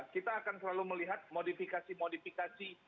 kita akan selalu melihat modifikasi modifikasi